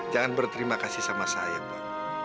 jangan berterima kasih sama saya pak